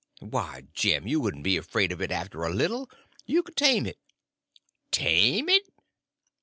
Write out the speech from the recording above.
"Why, Jim, you wouldn't be afraid of it after a little. You could tame it." "Tame it!"